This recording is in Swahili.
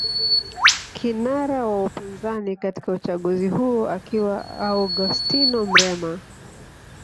Kinara wa upinzani katika uchaguzi huo akiwa Augustino Mrema